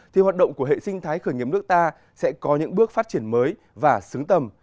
thì hoạt động của hệ sinh thái khởi nghiệp nước ta sẽ có những bước phát triển mới và xứng tầm